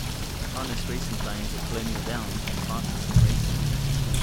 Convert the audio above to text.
Harness racing times at Colonial Downs were the fastest in racing.